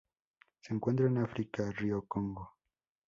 Se encuentran en África: río Congo.